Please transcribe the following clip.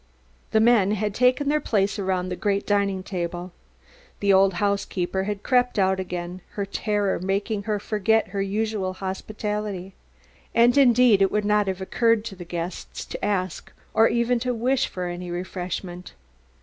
The men had taken their places around the great dining table. The old housekeeper had crept out again, her terror making her forget her usual hospitality. And indeed it would not have occurred to the guests to ask or even to wish for any refreshment.